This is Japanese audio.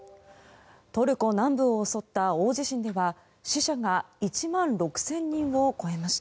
トルコ南部を襲った大地震では死者が１万６０００人を超えました。